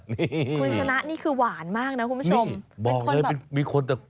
คุณธนะนี่คือหวานมากนะคุณผู้ชม